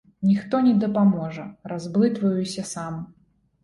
Ніхто не дапаможа, разблытваюся сам.